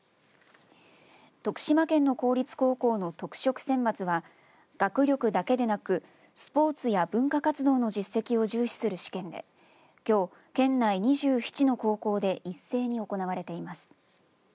徳島県の公立高校の特色選抜は学力だけでなくスポーツや文化活動の実績を重視する試験できょう、県内２７の高校で一斉に行われています。